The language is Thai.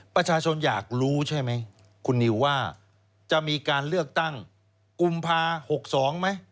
ประชาชนอยากรู้ใช่ไหมคุณนิวว่าจะมีการเลือกตั้งกุมภา๖๒ไหม